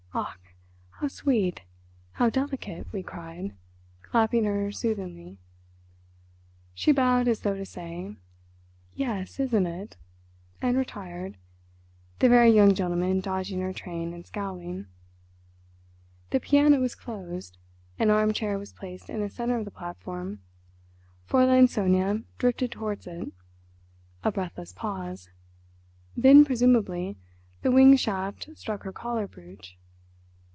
"Ach, how sweet, how delicate," we cried, clapping her soothingly. She bowed as though to say, "Yes, isn't it?" and retired, the very young gentleman dodging her train and scowling. The piano was closed, an arm chair was placed in the centre of the platform. Fräulein Sonia drifted towards it. A breathless pause. Then, presumably, the winged shaft struck her collar brooch.